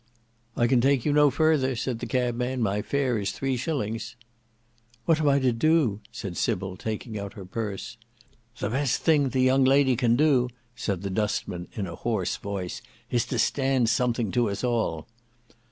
"I can take you no further," said the cabman: "my fare is three shillings." "What am I to do?" said Sybil, taking out her purse. "The best thing the young lady can do," said the dustman, in a hoarse voice, "is to stand something to us all."